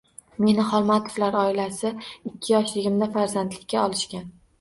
Meni Xolmatovlar oilasi ikki yoshligimda farzandlikka olishgan.